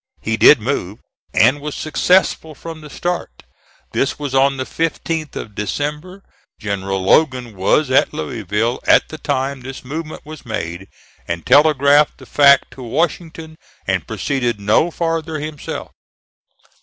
He did move, and was successful from the start. This was on the 15th of December. General Logan was at Louisville at the time this movement was made, and telegraphed the fact to Washington, and proceeded no farther himself.